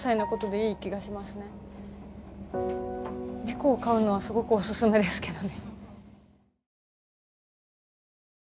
猫を飼うのはすごくオススメですけどね。